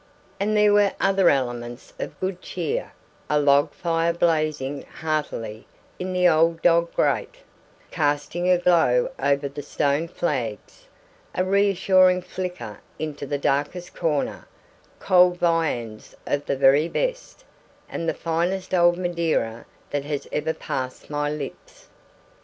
And there were other elements of good cheer: a log fire blazing heartily in the old dog grate, casting a glow over the stone flags, a reassuring flicker into the darkest corner: cold viands of the very best: and the finest old Madeira that has ever passed my lips.